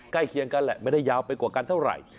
เคียงกันแหละไม่ได้ยาวไปกว่ากันเท่าไหร่